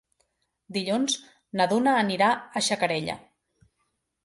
Dilluns na Duna anirà a Xacarella.